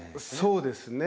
そうですね。